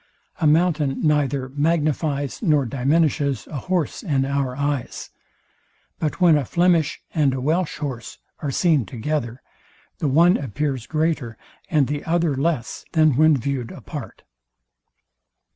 A mountain neither magnifies nor diminishes a horse in our eyes; but when a Flemish and a Welsh horse are seen together, the one appears greater and the other less, than when viewed apart.